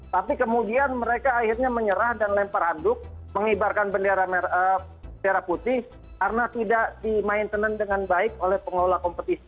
tapi kemudian mereka akhirnya menyerah dan lempar handuk mengibarkan bendera merah putih karena tidak di maintenance dengan baik oleh pengelola kompetisi